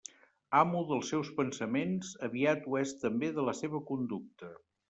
Amo dels seus pensaments, aviat ho és també de la seva conducta.